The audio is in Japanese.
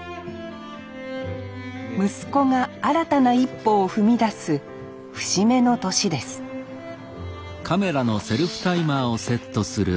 息子が新たな一歩を踏み出す節目の年ですよし。